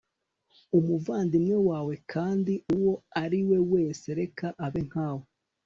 Umuvandimwe wawe kandi uwo ari we wese reka abe nkawe